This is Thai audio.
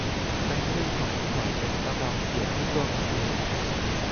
บันทึกของฉันเป็นกระบอกเสียงให้ตัวมันเอง